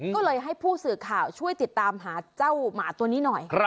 ก็เลยให้ผู้สื่อข่าวช่วยติดตามหาเจ้าหมาตัวนี้หน่อย